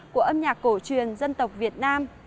của âm nhạc cổ truyền dân tộc việt nam